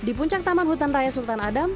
di puncak taman hutan raya sultan adam